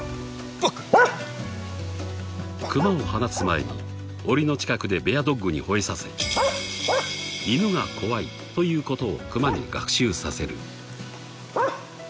［クマを放つ前におりの近くでベアドッグに吠えさせイヌが怖いということをクマに学習させる］